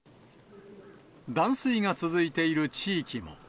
断水が続いている地域も。